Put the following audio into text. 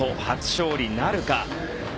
初勝利なるか。